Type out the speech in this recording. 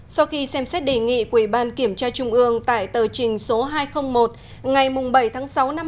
sau khi xem xét đề nghị của ủy ban kiểm tra trung ương tại tờ trình số hai trăm linh một ngày bảy tháng sáu năm hai nghìn một mươi chín về đề nghị thi hành kỳ luật